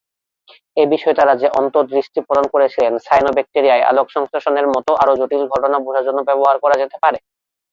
এ বিষয়ে তারা যে অন্তর্দৃষ্টি প্রদান করেছিলেন, সায়ানোব্যাকটেরিয়ায় আলোক সংশ্লেষণের মত আরও জটিল ঘটনা বোঝার জন্য ব্যবহার করা যেতে পারে।